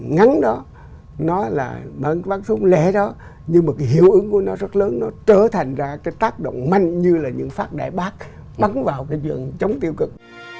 ngắn đó nó là bác súng lẻ đó nhưng mà cái hiệu ứng của nó rất lớn nó trở thành ra cái tác động manh như là những phát đại bác bắn vào cái chuyện chống tiêu cực